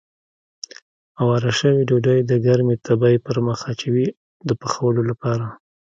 اواره شوې ډوډۍ د ګرمې تبۍ پر مخ اچوي د پخولو لپاره.